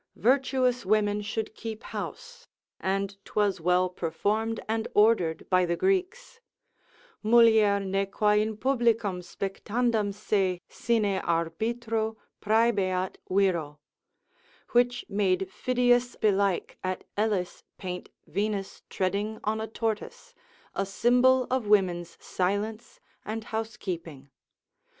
Virtuous women should keep house; and 'twas well performed and ordered by the Greeks, ———mulier ne qua in publicum Spectandam se sine arbitro praebeat viro: which made Phidias belike at Elis paint Venus treading on a tortoise, a symbol of women's silence and housekeeping.